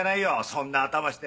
そんな頭して。